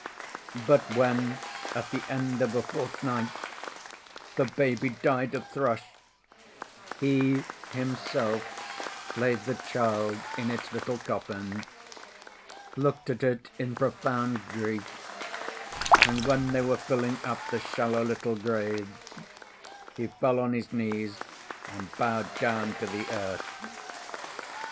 But when, at the end of a fortnight, the baby died of thrush, he himself laid the child in its little coffin, looked at it in profound grief, and when they were filling up the shallow little grave he fell on his knees and bowed down to the earth.